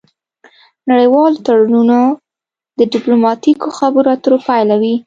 نړیوال تړونونه د ډیپلوماتیکو خبرو اترو پایله وي